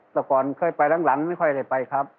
แต่ก่อนเคยไปหลังไม่ค่อยได้ไปครับ